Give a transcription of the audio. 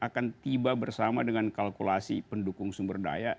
dan tiba bersama dengan kalkulasi pendukung sumber daya